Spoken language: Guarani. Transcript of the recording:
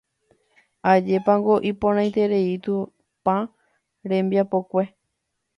Ajépango iporãite Tupã rembiapokue